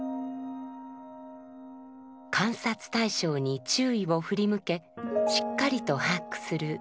観察対象に注意を振り向けしっかりと把握する「念処」。